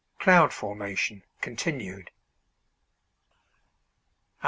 CLOUD FORMATION CONTINUED.